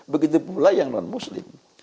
begitu pula yang non muslim